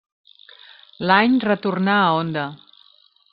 L'any retornà a Honda.